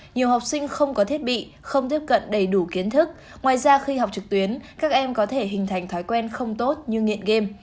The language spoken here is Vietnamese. nhiều học sinh không có thiết bị không tiếp cận đầy đủ kiến thức ngoài ra khi học trực tuyến các em có thể hình thành thói quen không tốt như nghiện game